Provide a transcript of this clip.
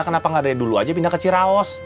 kenapa nggak dari dulu aja pindah ke ciraos